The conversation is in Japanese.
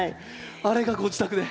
あれがご自宅で。